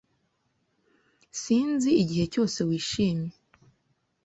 Sinzi igihe cyose wishimye.